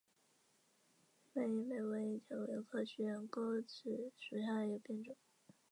宽萼白叶莓为蔷薇科悬钩子属下的一个变种。